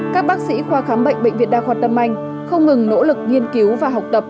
các bác sĩ khoa khám bệnh bệnh viện đa khoa tâm anh không ngừng nỗ lực nghiên cứu và học tập